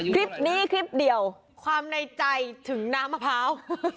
คลิปนี้คลิปเดียวความในใจถึงน้ำมะพร้าว